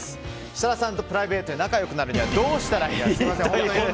設楽さんとプライベートで仲良くなるにはどうしたらいいですか？